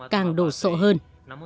bị lực hấp dẫn